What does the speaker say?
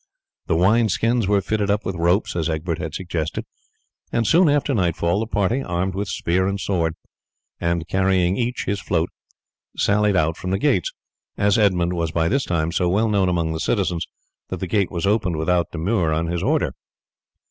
The wine skins were fitted up with ropes as Egbert had suggested, and soon after nightfall the party, armed with spear and sword, and carrying each his float, sallied out from the gates, as Edmund was by this time so well known among the citizens that the gate was opened without demur on his order.